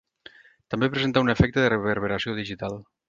També presenta un efecte de reverberació digital.